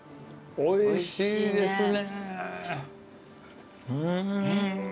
おいしいですね。